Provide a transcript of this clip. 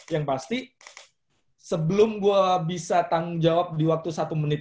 yang pasti sebelum gue bisa tanggung jawab di waktu satu menit